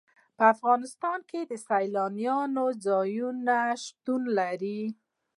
په افغانستان کې سیلانی ځایونه شتون لري.